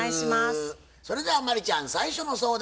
それでは真理ちゃん最初の相談は？